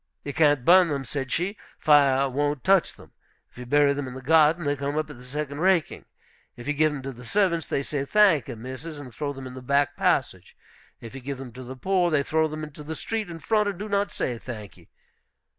"You can't burn them," said she; "fire won't touch them. If you bury them in the garden, they come up at the second raking. If you give them to the servants, they say, 'Thank e, missus,' and throw them in the back passage. If you give them to the poor, they throw them into the street in front, and do not say, 'Thank e.'